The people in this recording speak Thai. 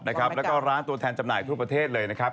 แล้วก็ร้านตัวแทนจำหน่ายทั่วประเทศเลยนะครับ